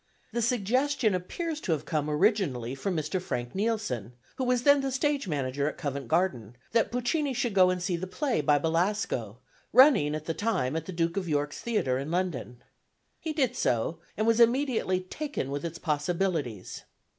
The suggestion appears to have come originally from Mr. Frank Nielson, who was then the stage manager at Covent Garden, that Puccini should go and see the play by Belasco, running at the time at the Duke of York's Theatre in London. He did so, and was immediately taken with its possibilities.